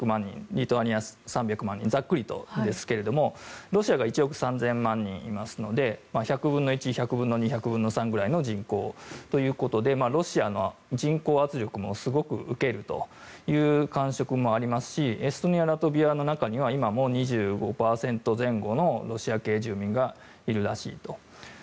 リトアニアは３００万人ざっくりとですけどロシアが１億３０００万人いますので１００分の１、１００分の２１００分の３ぐらいの人口ということでロシアの人口圧力もすごく受けるという感触もありますしエストニア、ラトビアの中には今も２５％前後のロシア系住民がいるらしいと。